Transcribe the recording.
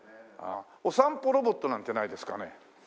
お散歩ロボットなんてないですかね？